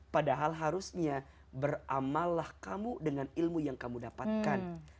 padahal harusnya beramallah kamu dengan ilmu yang kamu dapatkan